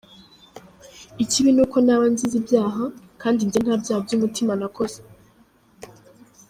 Ikibi ni uko naba nzize ibyaha, kandi njye nta byaha by’umutima nakoze.